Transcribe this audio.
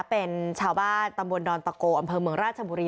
เป็นชาวบ้านตำบลดอนตะโกอำเภอเมืองราชบุรี